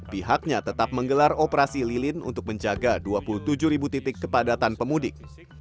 pihaknya tetap menggelar operasi lilin untuk menjaga dua puluh tujuh ribu titik kepadatan pemudik